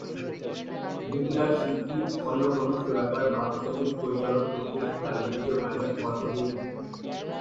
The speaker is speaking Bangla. গীতিকার-শিল্পী অন্য কোন সুরকার বা সঙ্গীত পরিচালক কর্তৃক তার লিখিত গানে কণ্ঠ দিয়ে থাকেন।